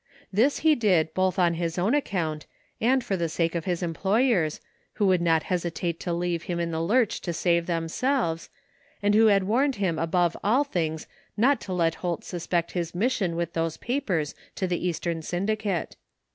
This he did both on his own account and for the sake of his employers, who would not hesitate to leave him in the 14 THE FINDING OF JASPER HOLT lurch to save themselves, and who had warned him above all things not to let Holt suspect his mission with those papers to the Eastern syndicate.